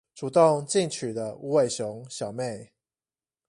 主動進取的無尾熊小妹